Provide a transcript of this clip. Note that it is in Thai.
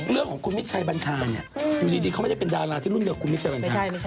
เรื่องของคุณมิชัยบัญชาเนี่ยอยู่ดีเขาไม่ได้เป็นดาราที่รุ่นเดียวคุณมิชัยบัญชา